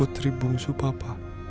putri bungsu papa